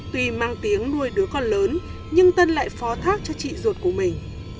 tuy mang tiếng nuôi đứa con lớn nhưng tân lại phó thác cho chị ruột của mình